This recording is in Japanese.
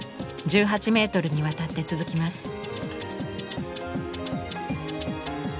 １８メートルにわたって続きます。